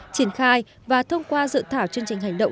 triển khai và thông qua dự thảo chương trình hành động